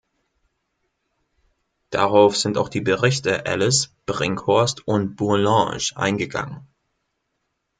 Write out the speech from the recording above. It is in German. Darauf sind auch die Berichte Elles, Brinkhorst und Bourlanges eingegangen.